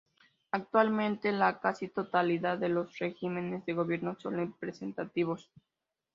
Actualmente la casi totalidad de los regímenes de Gobierno son representativos.